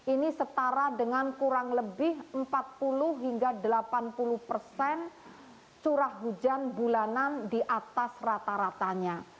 ini setara dengan kurang lebih empat puluh hingga delapan puluh persen curah hujan bulanan di atas rata ratanya